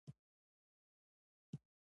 باور د زړه له ایمان زېږېږي.